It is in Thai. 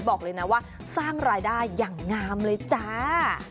บอกเลยนะว่าสร้างรายได้อย่างงามเลยจ้า